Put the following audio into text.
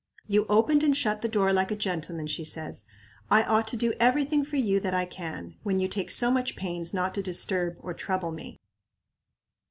"You opened and shut the door like a gentleman," she says. "I ought to do every thing for you that I can, when you take so much pains not to disturb or trouble me."